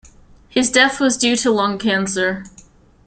His death was due to lung cancer.